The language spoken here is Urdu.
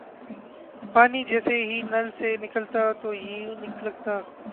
پانی جیسے ہی نل سے نکلتا تو یوں لگتا